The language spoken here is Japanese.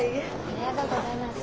ありがとうございます。